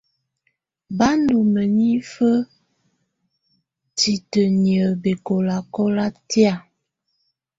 Bá ndù mǝnifǝ titǝniǝ́ bɛkɔlakɔla tɛ̀á.